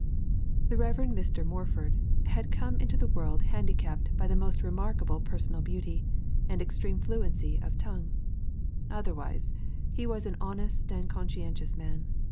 The Rev. Mr. Morford had come into the world handicapped by the most remarkable personal beauty, and extreme fluency of tongue. Otherwise, he was an honest and conscientious man.